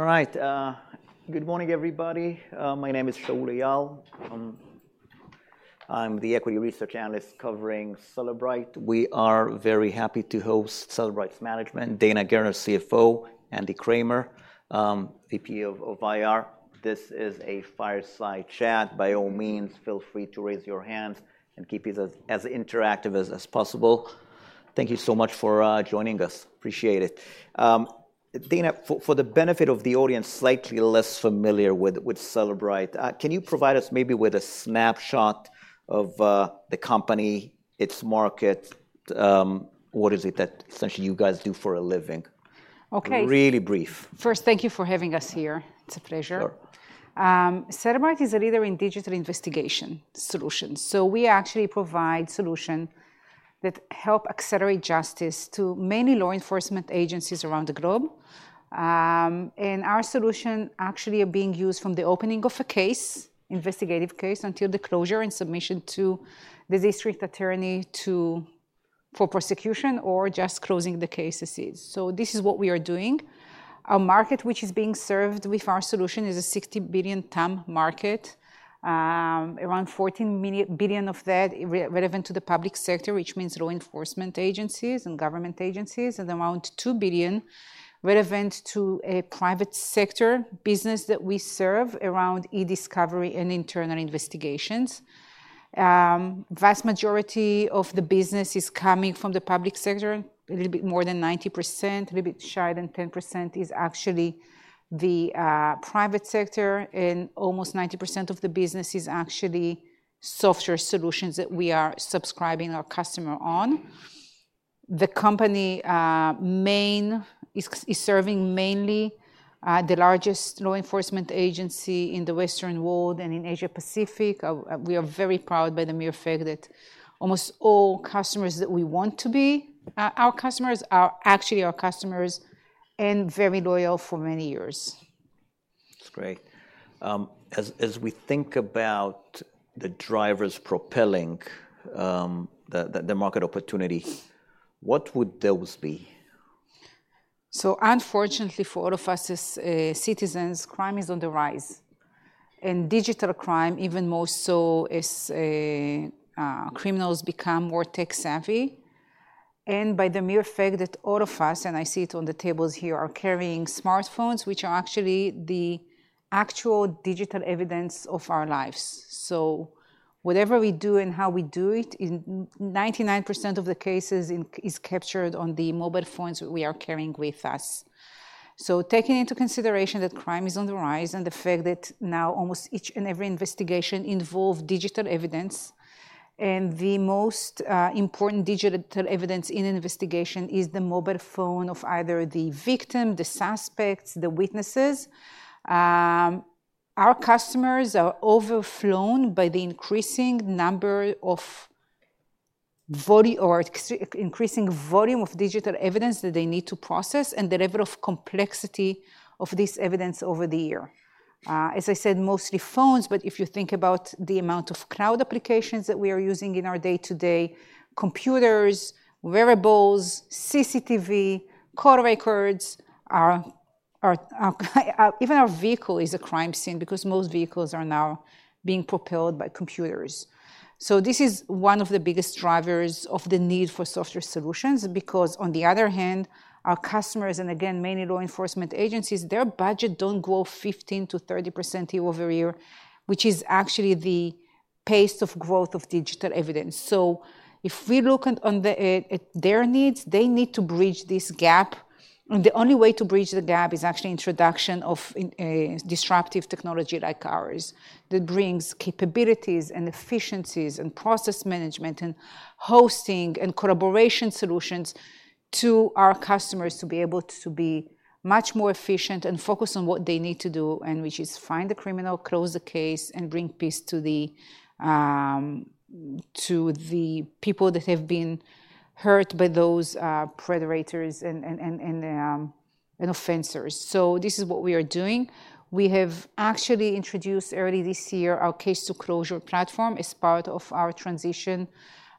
All right, good morning, everybody. My name is Shaul Eyal. I'm the equity research analyst covering Cellebrite. We are very happy to host Cellebrite's management, Dana Gerner, CFO, Andy Kramer, VP of IR. This is a fireside chat. By all means, feel free to raise your hands and keep it as interactive as possible. Thank you so much for joining us. Appreciate it. Dana, for the benefit of the audience, slightly less familiar with Cellebrite, can you provide us maybe with a snapshot of the company, its market, what is it that essentially you guys do for a living? Okay. Really brief. First, thank you for having us here. It's a pleasure. Sure. Cellebrite is a leader in digital investigation solutions. So we actually provide solution that help accelerate justice to many law enforcement agencies around the globe. And our solution actually are being used from the opening of a case, investigative case, until the closure and submission to the district attorney to, for prosecution, or just closing the case as is. So this is what we are doing. Our market, which is being served with our solution, is a $60 billion TAM market. Around $14 billion of that relevant to the public sector, which means law enforcement agencies and government agencies, and around $2 billion relevant to a private sector business that we serve around e-discovery and internal investigations. Vast majority of the business is coming from the public sector, a little bit more than 90%, a little bit shy than 10% is actually the private sector, and almost 90% of the business is actually software solutions that we are subscribing our customer on. The company is serving mainly the largest law enforcement agency in the Western world and in Asia Pacific. We are very proud by the mere fact that almost all customers that we want to be our customers are actually our customers and very loyal for many years. That's great. As we think about the drivers propelling the market opportunity, what would those be? So unfortunately for all of us as citizens, crime is on the rise, and digital crime even more so as criminals become more tech savvy, and by the mere fact that all of us, and I see it on the tables here, are carrying smartphones, which are actually the actual digital evidence of our lives. So whatever we do and how we do it, in 99% of the cases, is captured on the mobile phones we are carrying with us. So taking into consideration that crime is on the rise and the fact that now almost each and every investigation involve digital evidence, and the most important digital evidence in an investigation is the mobile phone of either the victim, the suspects, the witnesses. Our customers are overflown by the increasing volume of digital evidence that they need to process and the level of complexity of this evidence over the year. As I said, mostly phones, but if you think about the amount of cloud applications that we are using in our day-to-day, computers, wearables, CCTV, call records, even our vehicle is a crime scene because most vehicles are now being propelled by computers. So this is one of the biggest drivers of the need for software solutions, because, on the other hand, our customers, and again, many law enforcement agencies, their budget don't grow 15%-30% year-over-year, which is actually the pace of growth of digital evidence. So if we look at their needs, they need to bridge this gap, and the only way to bridge the gap is actually introduction of a disruptive technology like ours, that brings capabilities, and efficiencies, and process management, and hosting, and collaboration solutions to our customers to be able to be much more efficient and focus on what they need to do, and which is find the criminal, close the case, and bring peace to the people that have been hurt by those predators and offenders. So this is what we are doing. We have actually introduced early this year our Case-to-Closure platform as part of our transition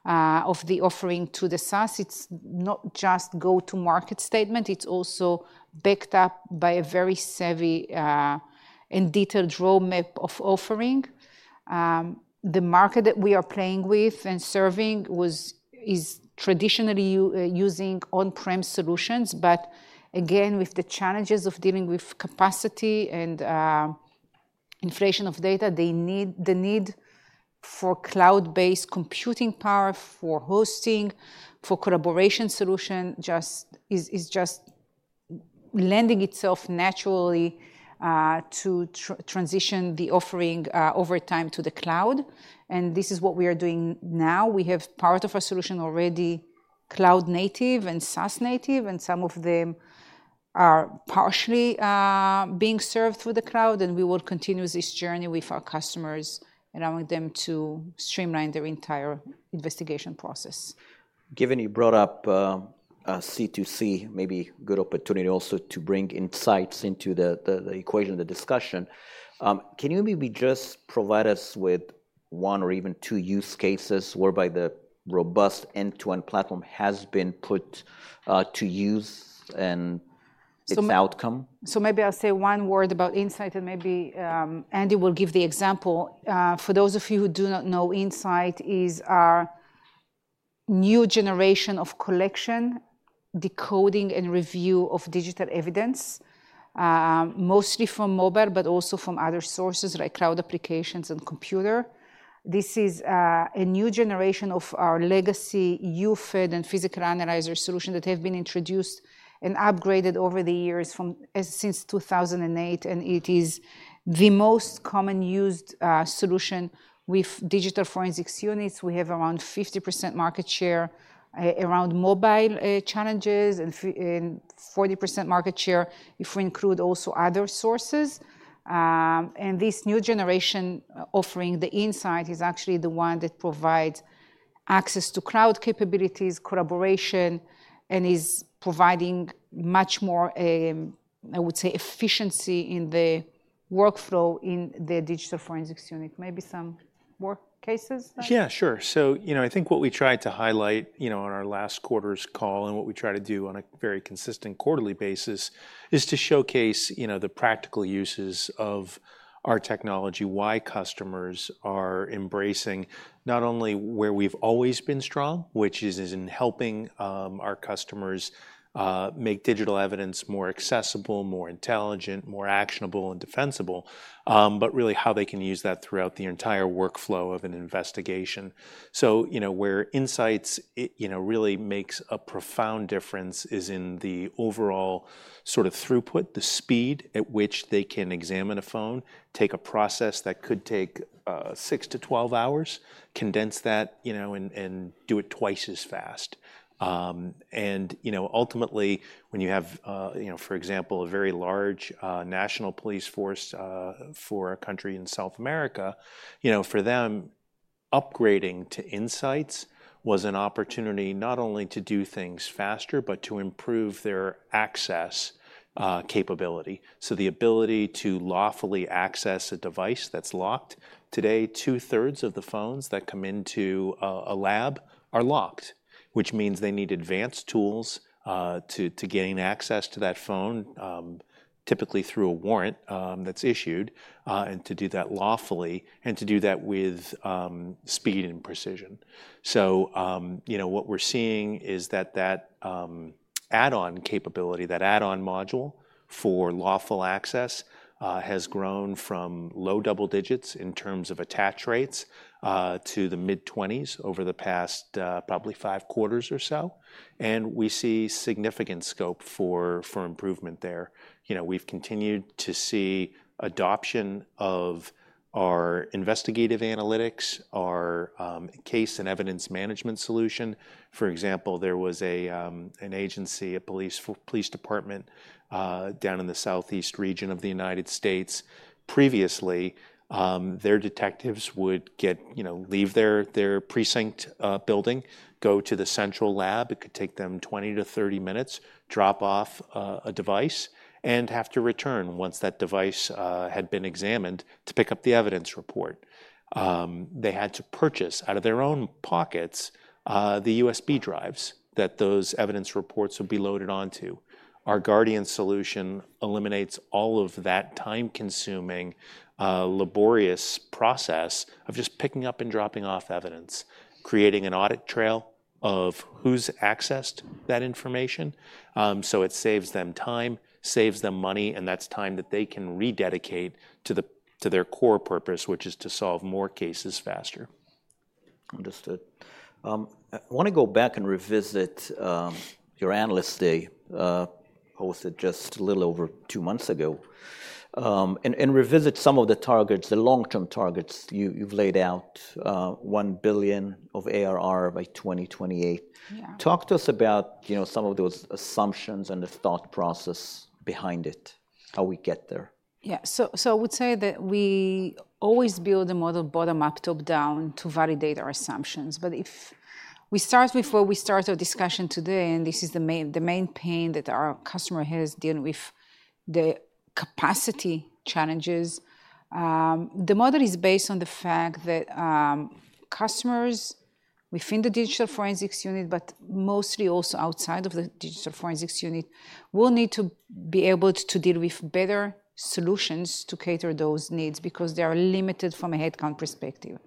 of the offering to the SaaS. It's not just go-to-market statement, it's also backed up by a very savvy and detailed roadmap of offering. The market that we are playing with and serving was, is traditionally using on-prem solutions, but again, with the challenges of dealing with capacity and, inflation of data, the need for cloud-based computing power, for hosting, for collaboration solution, just, is, is just lending itself naturally to transition the offering over time to the cloud, and this is what we are doing now. We have part of our solution already, cloud native and SaaS native, and some of them are partially being served through the cloud, and we will continue this journey with our customers, allowing them to streamline their entire investigation process. Given you brought up C2C, maybe good opportunity also to bring Inseyets into the equation, the discussion. Can you maybe just provide us with one or even two use cases whereby the robust end-to-end platform has been put to use and its outcome? So maybe I'll say one word about Inseyets, and maybe Andy will give the example. For those of you who do not know, Inseyets is our new generation of collection, decoding, and review of digital evidence, mostly from mobile, but also from other sources like cloud applications and computer. This is a new generation of our legacy UFED and Physical Analyzer solution that have been introduced and upgraded over the years since 2008, and it is the most common used solution with digital forensics units. We have around 50% market share around mobile challenges, and 40% market share if we include also other sources. And this new generation offering, the Inseyets, is actually the one that provides access to cloud capabilities, collaboration, and is providing much more, I would say, efficiency in the workflow in the digital forensics unit. Maybe some more cases, Andy? Yeah, sure. So, you know, I think what we tried to highlight, you know, on our last quarter's call and what we try to do on a very consistent quarterly basis, is to showcase, you know, the practical uses of our technology, why customers are embracing not only where we've always been strong, which is in helping, our customers, make digital evidence more accessible, more intelligent, more actionable, and defensible, but really how they can use that throughout the entire workflow of an investigation. So, you know, where Inseyets, it, you know, really makes a profound difference is in the overall sort of throughput, the speed at which they can examine a phone, take a process that could take, 6-12 hours, condense that, you know, and, and do it twice as fast. And, you know, ultimately, when you have, you know, for example, a very large, national police force, for a country in South America, you know, for them, upgrading to Inseyets was an opportunity not only to do things faster, but to improve their access, capability. So the ability to lawfully access a device that's locked. Today, two-thirds of the phones that come into a lab are locked, which means they need advanced tools, to gain access to that phone, typically through a warrant, that's issued, and to do that lawfully and to do that with, speed and precision. So, you know, what we're seeing is that add-on capability, that add-on module for Lawful Access, has grown from low double digits in terms of attach rates, to the mid-twenties over the past, probably five quarters or so, and we see significant scope for improvement there. You know, we've continued to see adoption of our investigative analytics, our case and evidence management solution. For example, there was an agency, a police department, down in the southeast region of the United States. Previously, their detectives would get you know, leave their precinct building, go to the central lab, it could take them 20-30 minutes, drop off a device, and have to return once that device had been examined to pick up the evidence report. They had to purchase out of their own pockets the USB drives that those evidence reports would be loaded onto. Our Guardian solution eliminates all of that time-consuming laborious process of just picking up and dropping off evidence, creating an audit trail of who's accessed that information. So it saves them time, saves them money, and that's time that they can rededicate to their core purpose, which is to solve more cases faster. Understood. I wanna go back and revisit your Analyst Day hosted just a little over two months ago. And revisit some of the targets, the long-term targets you've laid out, $1 billion of ARR by 2028. Yeah. Talk to us about, you know, some of those assumptions and the thought process behind it, how we get there. Yeah. So I would say that we always build a model bottom-up, top-down to validate our assumptions. But if we start with where we started our discussion today, and this is the main, the main pain that our customer has dealing with, the capacity challenges, the model is based on the fact that customers within the digital forensics unit, but mostly also outside of the digital forensics unit, will need to be able to deal with better solutions to cater those needs because they are limited from a headcount perspective.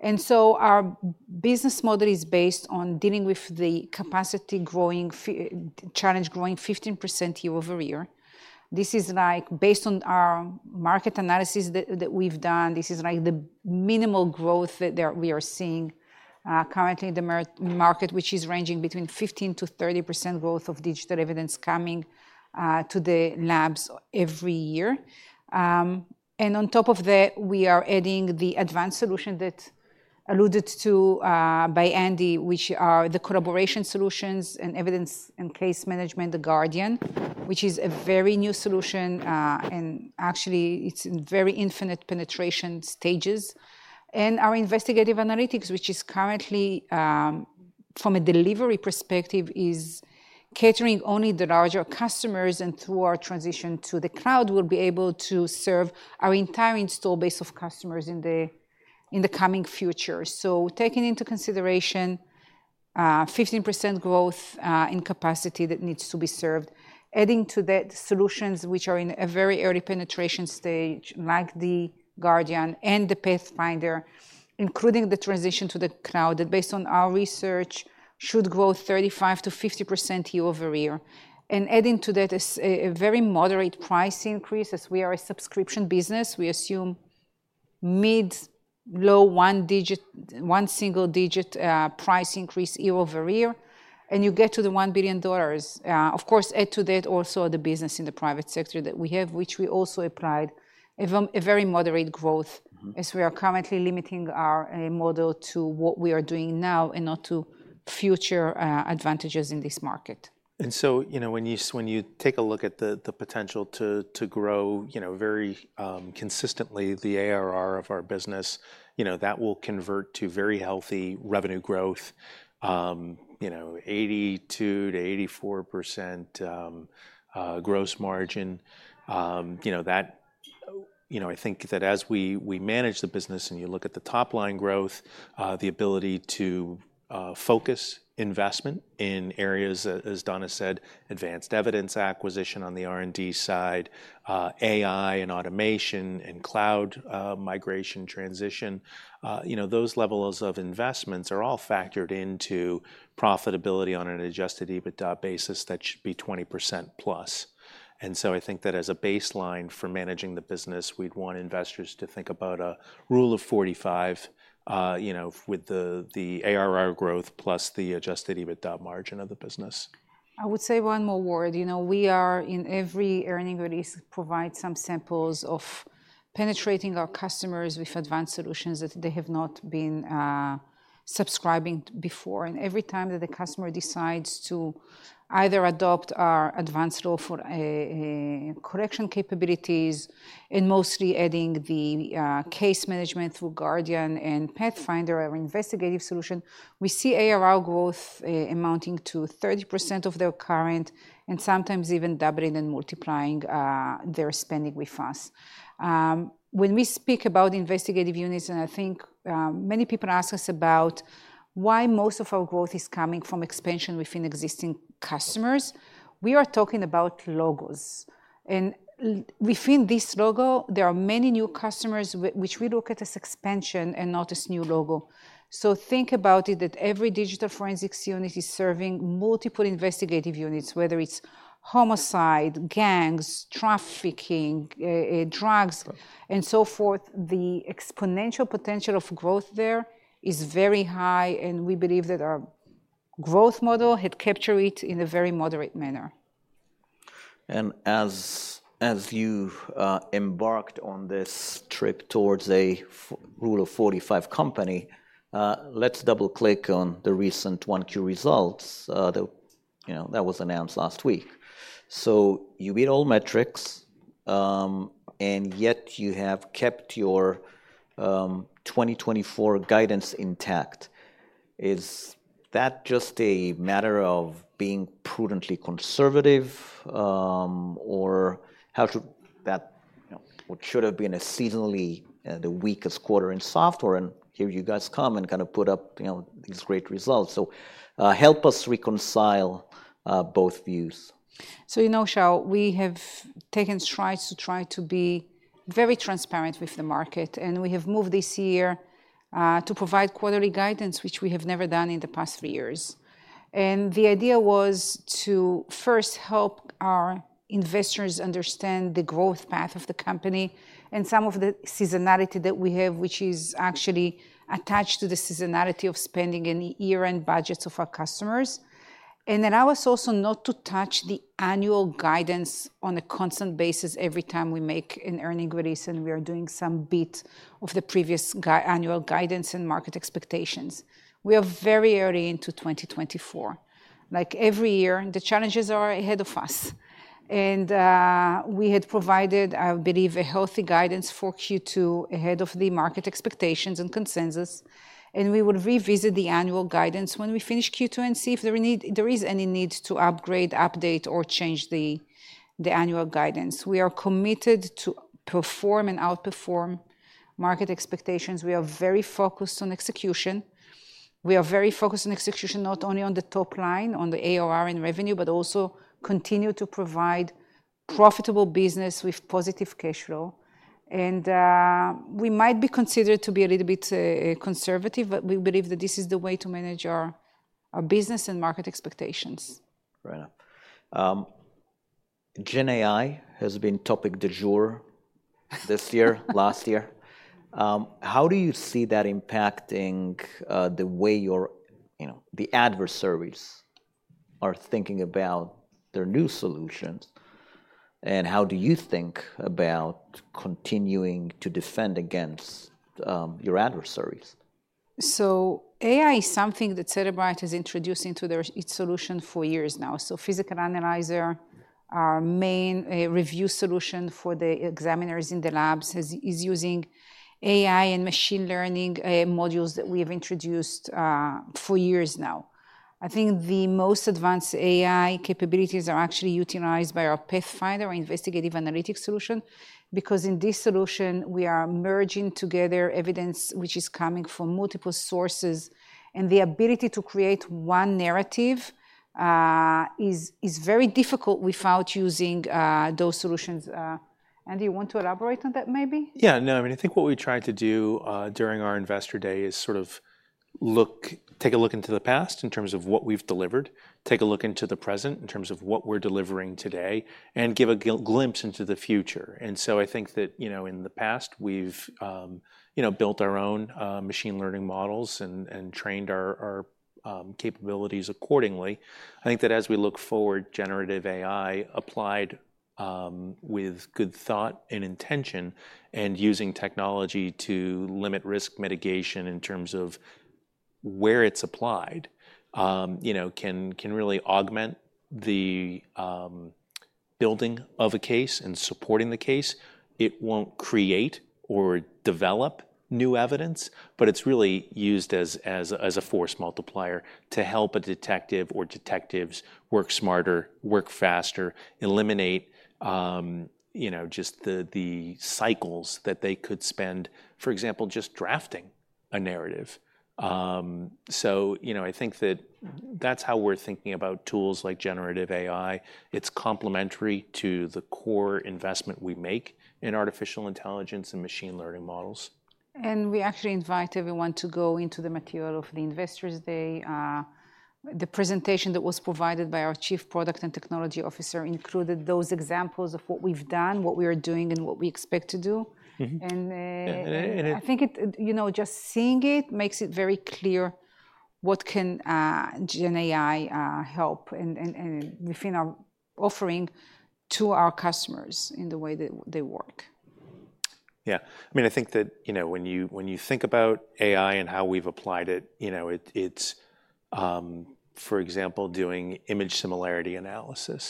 And so our business model is based on dealing with the capacity-growing challenge, growing 15% year-over-year. This is like based on market analysis that we've done, this is like the minimal growth that we are seeing. Currently, the market, which is ranging between 15%-30% growth of digital evidence coming to the labs every year. And on top of that, we are adding the advanced solution that alluded to by Andy, which are the collaboration solutions and evidence and case management, the Guardian, which is a very new solution, and actually, it's in very infant penetration stages. And our investigative analytics, which is currently from a delivery perspective, is catering only the larger customers, and through our transition to the cloud, we'll be able to serve our entire install base of customers in the coming future. So taking into consideration, 15% growth in capacity that needs to be served, adding to that solutions which are in a very early penetration stage, like the Guardian and the Pathfinder, including the transition to the cloud, that based on our research, should grow 35%-50% year-over-year. And adding to that is a very moderate price increase, as we are a subscription business. We assume mid-to-low-single-digit price increase year-over-year, and you get to the $1 billion. Of course, add to that also the business in the private sector that we have, which we also applied a very moderate growth- Mm-hmm As we are currently limiting our model to what we are doing now and not to future advantages in this market. You know, when you take a look at the potential to grow very consistently the ARR of our business, you know, that will convert to very healthy revenue growth. You know, 82%-84% gross margin. You know, I think that as we manage the business and you look at the top-line growth, the ability to focus investment in areas as Dana said, advanced evidence acquisition on the R&D side, AI and automation and cloud migration transition. You know, those levels of investments are all factored into profitability on an adjusted EBITDA basis. That should be 20%+. I think that as a baseline for managing the business, we'd want investors to think about a Rule of 45, you know, with the ARR growth plus the adjusted EBITDA margin of the business. I would say one more word. You know, we are, in every earnings release, provide some samples of penetrating our customers with advanced solutions that they have not been subscribing before. And every time that the customer decides to either adopt our advanced lawful extraction capabilities and mostly adding the case management through Guardian and Pathfinder, our investigative solution, we see ARR growth amounting to 30% of their current, and sometimes even doubling and multiplying their spending with us. When we speak about investigative units, and I think many people ask us about why most of our growth is coming from expansion within existing customers, we are talking about logos. And within this logo, there are many new customers which we look at as expansion and not as new logo. So think about it, that every digital forensics unit is serving multiple investigative units, whether it's homicide, gangs, trafficking, drugs, and so forth. The exponential potential of growth there is very high, and we believe that our growth model had captured it in a very moderate manner. As you've embarked on this trip towards a Rule of 45 company, let's double-click on the recent 1Q results, you know, that was announced last week. So you beat all metrics, and yet you have kept your 2024 guidance intact. Is that just a matter of being prudently conservative? Or how should that... You know, what should have been a seasonally the weakest quarter in software, and here you guys come and kind of put up, you know, these great results. So, help us reconcile both views. So, you know, Shaul, we have taken strides to try to be very transparent with the market, and we have moved this year to provide quarterly guidance, which we have never done in the past three years. And the idea was to first help our investors understand the growth path of the company and some of the seasonality that we have, which is actually attached to the seasonality of spending in the year-end budgets of our customers. And then I was also not to touch the annual guidance on a constant basis every time we make an earnings release, and we are doing some bit of the previous annual guidance and market expectations. We are very early into 2024. Like every year, the challenges are ahead of us. We had provided, I believe, a healthy guidance for Q2 ahead of the market expectations and consensus, and we would revisit the annual guidance when we finish Q2 and see if there is any need to upgrade, update, or change the annual guidance. We are committed to perform and outperform market expectations. We are very focused on execution. We are very focused on execution, not only on the top line, on the ARR and revenue, but also continue to provide profitable business with positive cash flow. We might be considered to be a little bit conservative, but we believe that this is the way to manage our business and market expectations. Right on. Gen AI has been topic du jour-... this year, last year. How do you see that impacting the way your, you know, the adversaries are thinking about their new solutions? And how do you think about continuing to defend against your adversaries? .So AI is something that Cellebrite is introducing to their, its solution for years now. So Physical Analyzer, our main review solution for the examiners in the labs is using AI and machine learning modules that we have introduced for years now. I think the most advanced AI capabilities are actually utilized by our Pathfinder or investigative analytics solution, because in this solution, we are merging together evidence which is coming from multiple sources, and the ability to create one narrative is very difficult without using those solutions. Andy, you want to elaborate on that, maybe? Yeah, no, I mean, I think what we tried to do during our Investor Day is sort of take a look into the past in terms of what we've delivered, take a look into the present in terms of what we're delivering today, and give a glimpse into the future. And so I think that, you know, in the past, we've, you know, built our own machine learning models and trained our capabilities accordingly. I think that as we look forward, Generative AI applied with good thought and intention and using technology to limit risk mitigation in terms of where it's applied, you know, can really augment the building of a case and supporting the case. It won't create or develop new evidence, but it's really used as a force multiplier to help a detective or detectives work smarter, work faster, eliminate you know, just the cycles that they could spend, for example, just drafting a narrative. So, you know, I think that's how we're thinking about tools like generative AI. It's complementary to the core investment we make in Artificial Intelligence and machine learning models. We actually invite everyone to go into the material of the Investors Day. The presentation that was provided by our Chief Product and Technology Officer included those examples of what we've done, what we are doing, and what we expect to do. Mm-hmm. And, uh- And, and, and- I think it, you know, just seeing it makes it very clear what can Gen AI help and within our offering to our customers in the way they work. Yeah. I mean, I think that, you know, when you think about AI and how we've applied it, you know, it's... for example, doing image similarity analysis,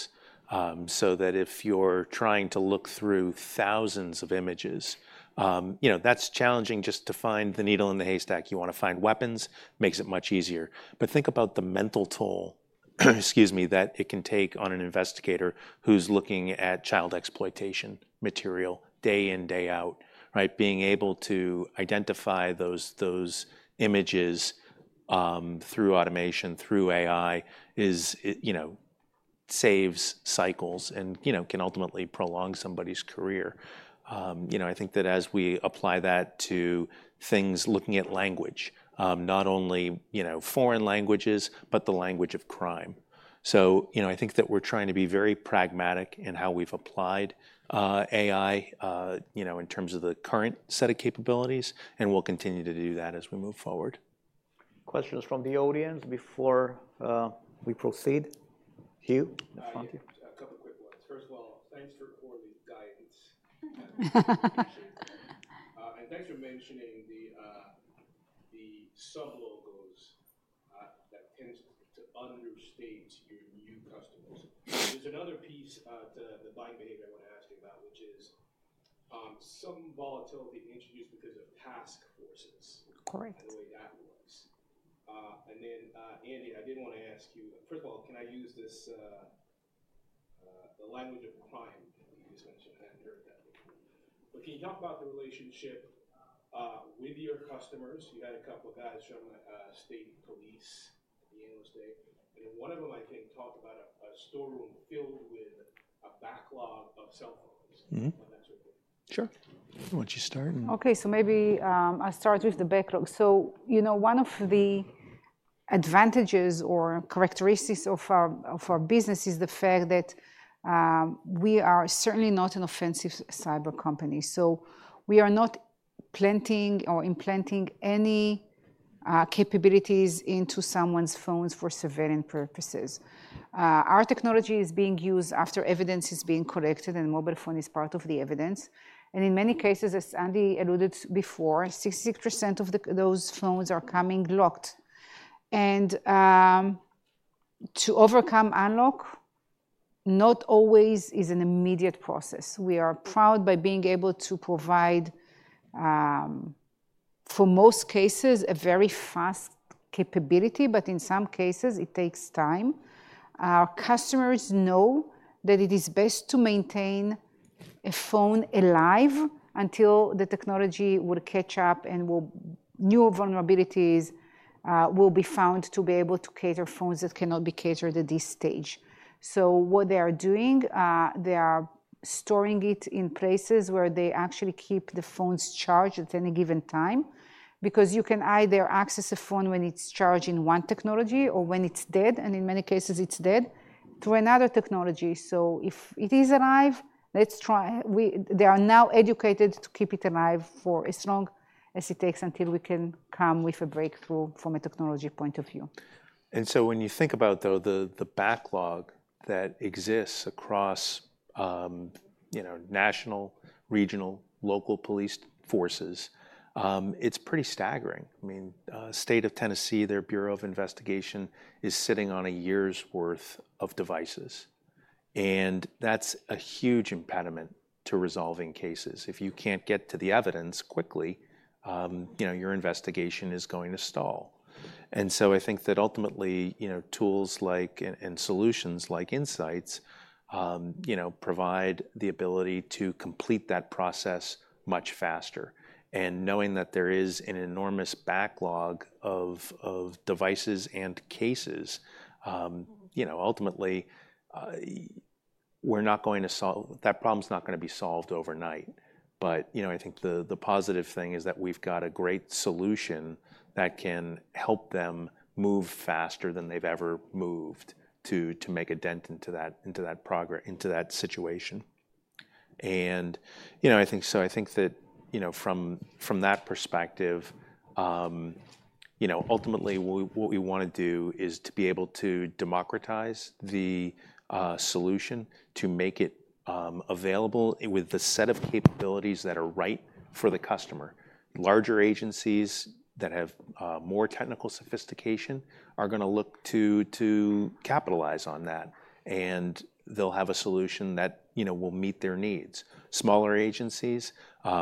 so that if you're trying to look through thousands of images, you know, that's challenging just to find the needle in the haystack. You want to find weapons, makes it much easier. But think about the mental toll, excuse me, that it can take on an investigator who's looking at child exploitation material day in, day out, right? Being able to identify those images through automation, through AI is, you know, saves cycles and, you know, can ultimately prolong somebody's career. You know, I think that as we apply that to things, looking at language, not only, you know, foreign languages, but the language of crime. You know, I think that we're trying to be very pragmatic in how we've applied AI, you know, in terms of the current set of capabilities, and we'll continue to do that as we move forward. Questions from the audience before we proceed? Hugh, front here. Hi. A couple quick ones. First of all, thanks for all the guidance. Thanks for mentioning the sub logos that tends to understate your new customers. There's another piece, the buying behavior I want to ask you about, which is some volatility introduced because of task forces- Correct And the way that works. And then, Andy, I did want to ask you. First of all, can I use this, the language of crime you just mentioned? I hadn't heard that before. But can you talk about the relationship with your customers? You had a couple of guys from state police, the analyst day, and one of them, I think, talked about a storeroom filled with a backlog of cell phones- Mm-hmm on that report. Sure. Why don't you start and- Okay, so maybe I'll start with the backlog. So, you know, one of the advantages or characteristics of our, of our business is the fact that we are certainly not an offensive cyber company, so we are not planting or implanting any capabilities into someone's phones for surveilling purposes. Our technology is being used after evidence is being collected, and mobile phone is part of the evidence. And in many cases, as Andy alluded before, 60% of those phones are coming locked. And to overcome unlock, not always is an immediate process. We are proud by being able to provide for most cases, a very fast capability, but in some cases, it takes time. Our customers know that it is best to maintain a phone alive until the technology would catch up and new vulnerabilities will be found to be able to access phones that cannot be accessed at this stage. So what they are doing, they are storing it in places where they actually keep the phones charged at any given time, because you can either access a phone when it's charged in one technology or when it's dead, and in many cases, it's dead, to another technology. So if it is alive, they are now educated to keep it alive for as long as it takes, until we can come with a breakthrough from a technology point of view. And so when you think about, though, the backlog that exists across you know, national, regional, local police forces, it's pretty staggering. I mean, state of Tennessee, their Bureau of Investigation is sitting on a year's worth of devices, and that's a huge impediment to resolving cases. If you can't get to the evidence quickly, you know, your investigation is going to stall. And so I think that ultimately, you know, tools like, and, and solutions like Inseyets, you know, provide the ability to complete that process much faster. And knowing that there is an enormous backlog of devices and cases, you know, ultimately, that problem's not gonna be solved overnight. But, you know, I think the positive thing is that we've got a great solution that can help them move faster than they've ever moved to make a dent into that, into that situation. And, you know, I think so. I think that, you know, from that perspective, you know, ultimately, what we wanna do is to be able to democratize the solution, to make it available with the set of capabilities that are right for the customer. Larger agencies that have more technical sophistication are gonna look to capitalize on that, and they'll have a solution that, you know, will meet their needs. Smaller agencies,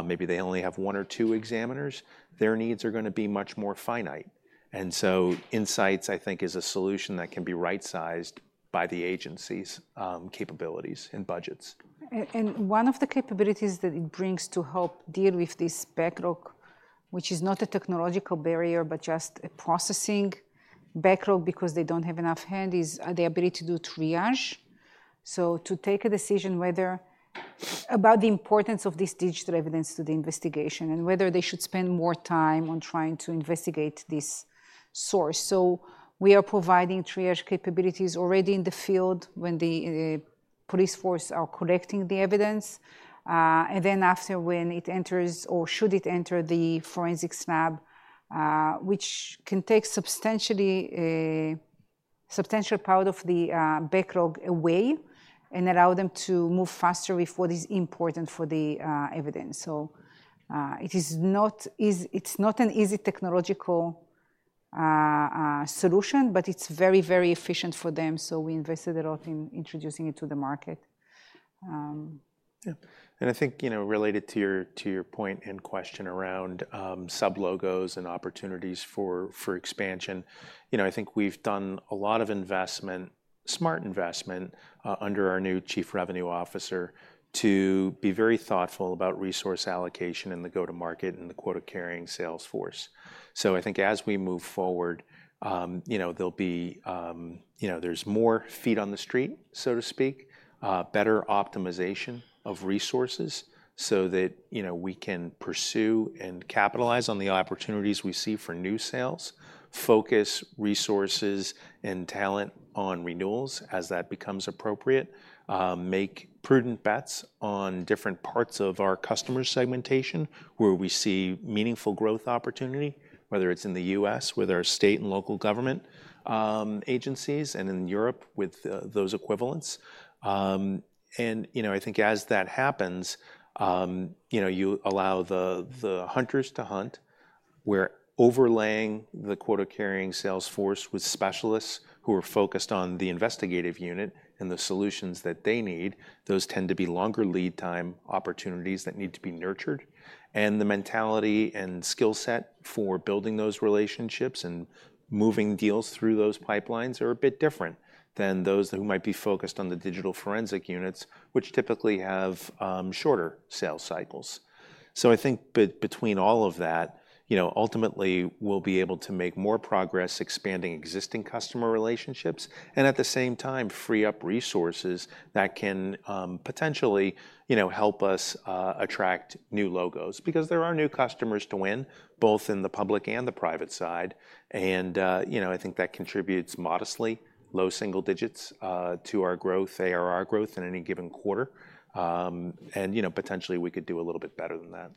maybe they only have one or two examiners, their needs are gonna be much more finite. Inseyets, I think, is a solution that can be right-sized by the agency's capabilities and budgets. And one of the capabilities that it brings to help deal with this backlog, which is not a technological barrier, but just a processing backlog because they don't have enough hands, is the ability to do triage. So to take a decision whether about the importance of this digital evidence to the investigation, and whether they should spend more time on trying to investigate this source. So we are providing triage capabilities already in the field when the police force are collecting the evidence. And then after, when it enters, or should it enter the forensics lab, which can take substantial part of the backlog away and allow them to move faster with what is important for the evidence. So, it's not an easy technological solution, but it's very, very efficient for them, so we invested a lot in introducing it to the market. Yeah. And I think, you know, related to your point and question around sub logos and opportunities for expansion, you know, I think we've done a lot of investment, smart investment, under our new Chief Revenue Officer, to be very thoughtful about resource allocation and the go-to-market and the quota-carrying sales force. So I think as we move forward, you know, there'll be... you know, there's more feet on the street, so to speak, better optimization of resources so that, you know, we can pursue and capitalize on the opportunities we see for new sales, focus resources and talent on renewals as that becomes appropriate, make prudent bets on different parts of our customer segmentation, where we see meaningful growth opportunity, whether it's in the U.S. with our state and local government agencies and in Europe with those equivalents. And, you know, I think as that happens, you know, you allow the hunters to hunt. We're overlaying the quota-carrying sales force with specialists who are focused on the investigative unit and the solutions that they need. Those tend to be longer lead time opportunities that need to be nurtured, and the mentality and skill set for building those relationships and moving deals through those pipelines are a bit different than those who might be focused on the digital forensic units, which typically have shorter sales cycles. So I think between all of that, you know, ultimately, we'll be able to make more progress expanding existing customer relationships, and at the same time, free up resources that can potentially, you know, help us attract new logos. Because there are new customers to win, both in the public and the private side, and, you know, I think that contributes modestly, low single digits, to our growth, ARR growth, in any given quarter. And, you know, potentially, we could do a little bit better than that.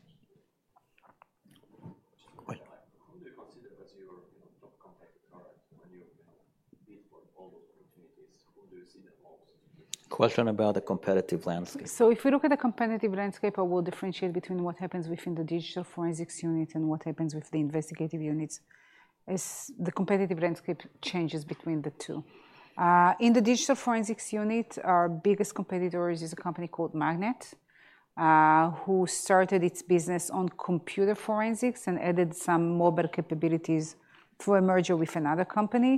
Wait. Who do you consider as your, you know, top competitive product when you, you know, bid for all those opportunities? Who do you see the most? Question about the competitive landscape. So if you look at the competitive landscape, I will differentiate between what happens within the digital forensics unit and what happens with the investigative units, as the competitive landscape changes between the two. In the digital forensics unit, our biggest competitor is a company called Magnet, who started its business on computer forensics and added some mobile capabilities through a merger with another company.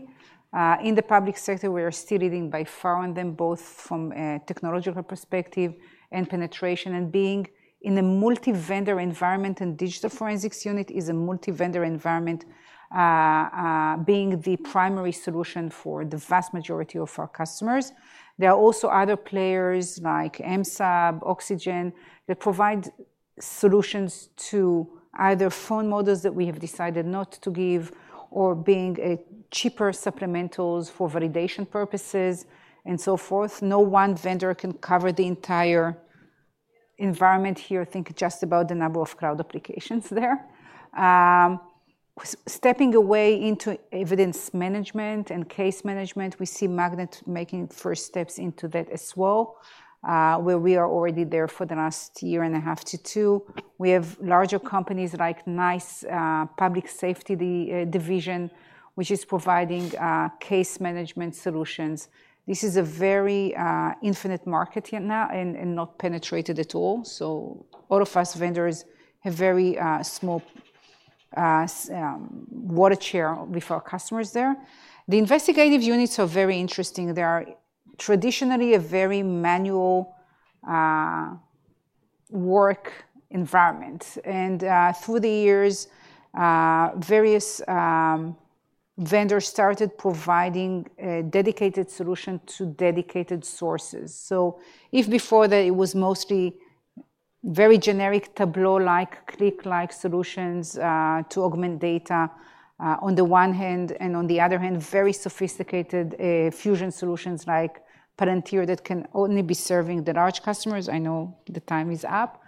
In the public sector, we are still leading by far on them, both from a technological perspective and penetration, and being in a multi-vendor environment, and digital forensics unit is a multi-vendor environment, being the primary solution for the vast majority of our customers. There are also other players, like MSAB, Oxygen, that provide solutions to either phone models that we have decided not to give or being a cheaper supplementals for validation purposes and so forth. No one vendor can cover the entire environment here. Think just about the number of cloud applications there. Stepping away into evidence management and case management, we see Magnet making first steps into that as well, where we are already there for the last 1.5 to 2. We have larger companies like NICE Public Safety Division, which is providing case management solutions. This is a very immense market here now and not penetrated at all. So all of us vendors have very small market share with our customers there. The investigative units are very interesting. They are traditionally a very manual work environment. Through the years, various vendors started providing a dedicated solution to dedicated sources. So if before that it was mostly very generic Tableau-like, Qlik-like solutions, to augment data, on the one hand, and on the other hand, very sophisticated, fusion solutions like Palantir, that can only be serving the large customers. I know the time is up.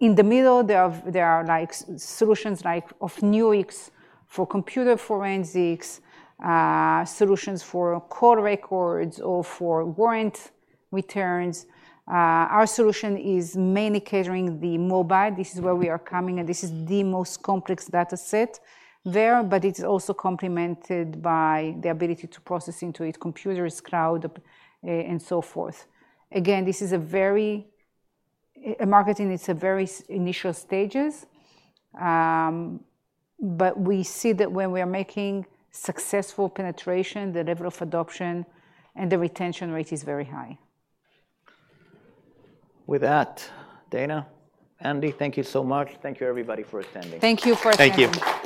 In the middle, there are like solutions like of Nuix for computer forensics, solutions for call records or for warrant returns. Our solution is mainly catering the mobile. This is where we are coming, and this is the most complex dataset there, but it's also complemented by the ability to process Inseyets computers, cloud, and so forth. Again, this is a very initial stages. But we see that when we are making successful penetration, the level of adoption and the retention rate is very high. With that, Dana, Andy, thank you so much. Thank you, everybody, for attending. Thank you for attending. Thank you.